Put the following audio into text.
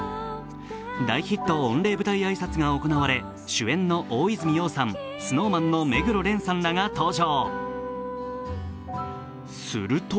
大ヒット御礼舞台挨拶が行われ主演の大泉洋さん、ＳｎｏｗＭａｎの目黒蓮さんらが登場。